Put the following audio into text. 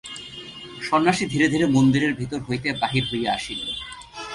সন্ন্যাসী ধীরে ধীরে মন্দিরের ভিতর হইতে বাহির হইয়া আসিলেন।